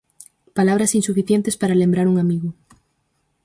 Palabras insuficientes para lembrar un amigo.